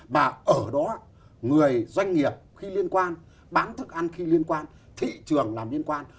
và ở đó người doanh nghiệp khi liên quan bán thức ăn khi liên quan thị trường làm liên quan